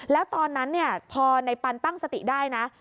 แล้วตอนนั้นพอในปันตั้งสติได้นะ